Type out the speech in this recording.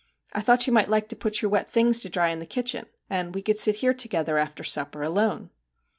I thought you might like to put your wet things to dry in the kitchen, and we could sit here together, after supper, alone.'